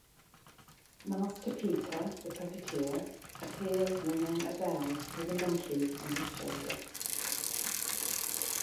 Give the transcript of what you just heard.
Master Peter, the puppeteer, appears ringing a bell, with a monkey on his shoulder.